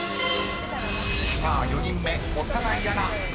［さあ４人目小山内アナ］